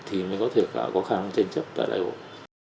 thì mới có thể có khả năng tranh chấp tại đại hội